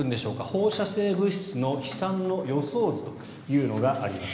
放射性物質の飛散の予想図というのがあります。